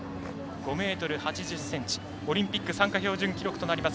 ５ｍ８０ｃｍ、オリンピック参加標準記録となります